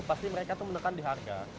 pasti mereka itu menekan di harga